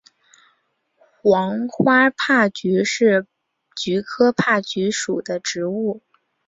黄花珀菊是菊科珀菊属的植物。